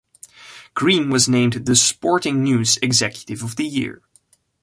Green was named "The Sporting News" Executive of the Year.